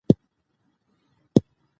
دوی شهیدان ښخ کړي وو.